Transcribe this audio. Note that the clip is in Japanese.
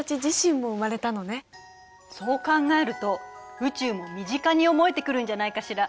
そう考えると宇宙も身近に思えてくるんじゃないかしら。